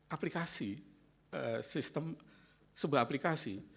aplikasi sistem sebuah aplikasi